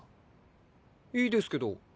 いいですけど。